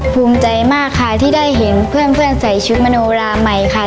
ภูมิใจมากค่ะที่ได้เห็นเพื่อนใส่ชุดมโนราใหม่ค่ะ